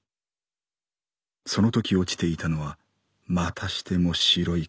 そのとき落ちていたのはまたしても白い紙だった。